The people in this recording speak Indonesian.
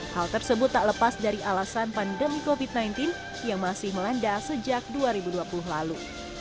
hal tersebut tak lepas dari alasan pandemi covid sembilan belas yang masih melanda sejak dua ribu dua puluh lalu